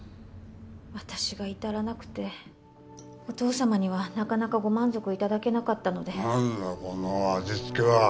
私がいたらなくてお義父様にはなかなかご満足いただけなかったので何だこの味つけは